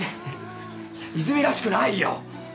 泉らしくないよ！